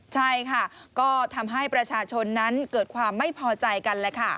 ใช่ค่ะก็ทำให้ประชาชนนั้นเกิดความไม่พอใจกันแหละค่ะ